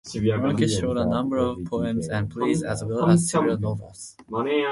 Markish wrote a number of poems and plays, as well as several novels.